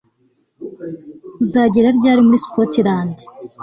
Uzagera ryari muri Scottland